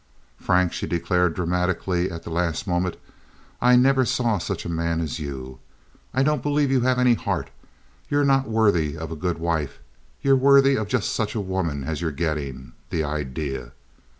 "Frank," she declared, dramatically, at the last moment, "I never saw such a man as you. I don't believe you have any heart. You're not worthy of a good wife. You're worthy of just such a woman as you're getting. The idea!"